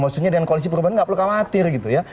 maksudnya dengan koalisi perubahan nggak perlu khawatir gitu ya